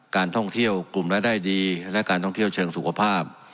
การท่องเที่ยวกลุ่มรายได้ดีและการท่องเที่ยวเชิงสุขภาพ